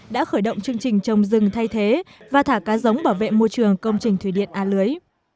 đã khởi động chương trình trồng rừng thay thế và thả cá giống bảo vệ môi trường công trình thủy điện a lưới